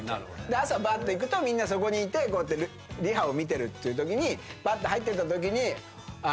朝ばっと行くとみんなそこにいてリハを見てるっていうときにばって入ってったときに。